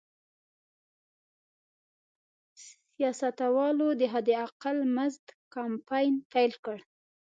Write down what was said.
سیاستوالو د حداقل مزد کمپاین پیل کړ.